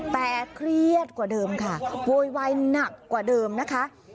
แต่เครียดกว่าเดิมค่ะโวยวายหนักกว่าเดิมนะคะ